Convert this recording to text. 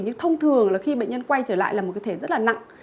nhưng thông thường là khi bệnh nhân quay trở lại là một cái thể rất là nặng